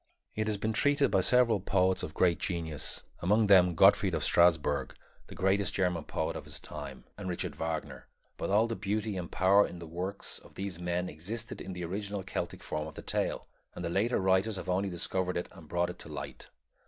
It has been treated by several poets of great genius, among them Gottfried of Strassburg, the greatest German poet of his time, and Richard Wagner; but all the beauty and power in the works of these men existed in the original Celtic form of the tale, and the later writers have only discovered it and brought it to light.